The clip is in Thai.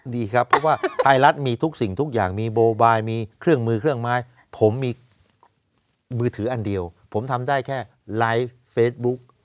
ดีครับเพราะว่าไทยรัฐมีทุกสิ่งทุกอย่างมีโบบายมีเครื่องมือเครื่องไม้ผมมีมือถืออันเดียวผมทำได้แค่ไลฟ์เฟซบุ๊ก